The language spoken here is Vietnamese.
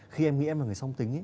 khi em nghĩ em là người song tính ấy